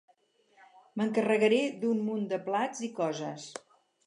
M'encarregaré d'un munt de plats i coses.